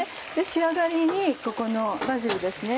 仕上がりにここのバジルですね。